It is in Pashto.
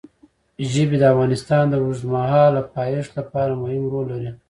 ژبې د افغانستان د اوږدمهاله پایښت لپاره مهم رول لري.